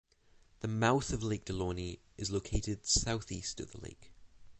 The mouth of Lake Delaunay is located southeast of the lake.